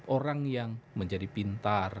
orang yang menjadi pintar